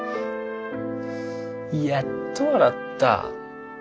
やっと笑った。